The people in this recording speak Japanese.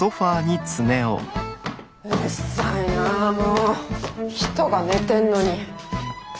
うるさいなもう人が寝てんのに。